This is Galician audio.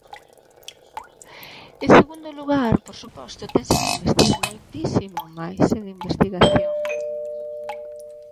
En segundo lugar, por suposto, tense que investir moitísimo máis en investigación.